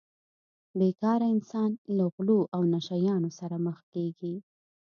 بې کاره انسان له غلو او نشه یانو سره مخ کیږي